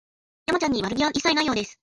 山ちゃんに悪気は一切ないようです